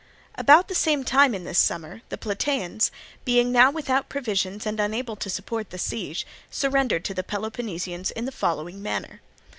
About the same time in this summer, the Plataeans, being now without provisions and unable to support the siege, surrendered to the Peloponnesians in the following manner.